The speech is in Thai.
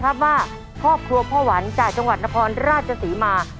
ครับว่าครอบครัวพ่อหวานจากจังหวัดนภรรณราชสีมา